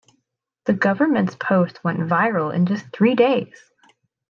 The government's post went viral in just three days.